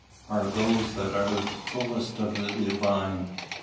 are those that are fullest of the divine.